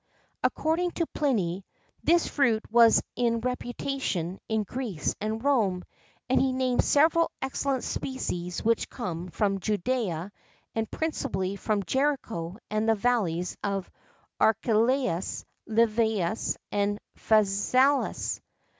[XII 50] According to Pliny, this fruit was in reputation in Greece and Rome; and he names several excellent species which came from Judea, and principally from Jericho and the valleys of Archelais, Livias, and Phasaelis.